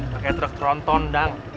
pakai truk tronton dang